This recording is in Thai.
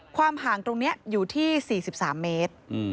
ความห่างตรงนี้อยู่ที่๔๓เมตร